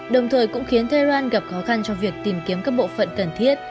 đồng thời cũng khiến tehran gặp khó khăn cho việc tìm kiếm các bộ phận cần thiết